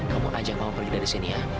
kamu ajak kamu pergi dari sini ya